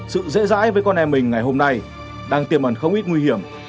sự dễ dãi với con em mình ngày hôm nay đang tiềm ẩn không ít nguy hiểm